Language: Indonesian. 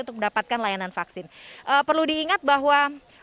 untuk mendapatkan layanan vaksin perlu diingat bahwa